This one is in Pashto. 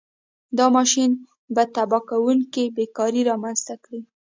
دا ماشین به تباه کوونکې بېکاري رامنځته کړي.